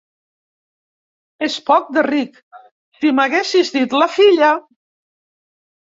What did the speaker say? És poc de ric… Si m’haguessis dit la filla!